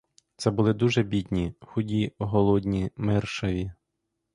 Ці були дуже бідні: худі, голодні, миршаві.